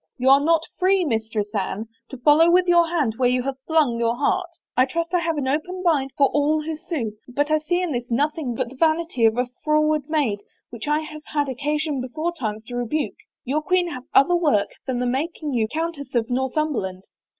" You are not free. Mistress Anne, to follow with your hand where you have flung your heart I trust I have an open mind for all who sue but I see in this nothing but the vanity of a froward maid which I have had occasion beforetimes to rebuke. Your queen hath other work than the mak ing you Countess of Northimiberland.